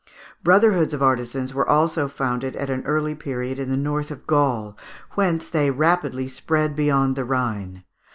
Brotherhoods of artisans were also founded at an early period in the north of Gaul, whence they rapidly spread beyond the Rhine.